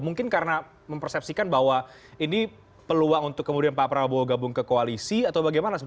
mungkin karena mempersepsikan bahwa ini peluang untuk kemudian pak prabowo gabung ke koalisi atau bagaimana